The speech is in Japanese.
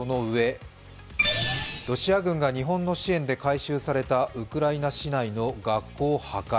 ロシア軍が日本の支援で改修されたウクライナ市内の学校を破壊。